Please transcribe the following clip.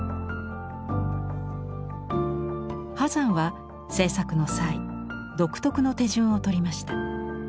波山は制作の際独特の手順をとりました。